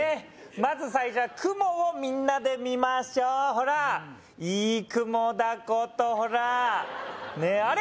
まず最初は雲をみんなで見ましょうほらいい雲だことほらねえあれ？